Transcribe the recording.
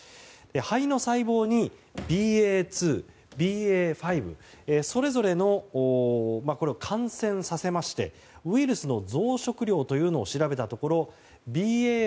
肺の細胞にＢＡ．２、ＢＡ．５それぞれを感染させましてウイルスの増殖量というのを調べたところＢＡ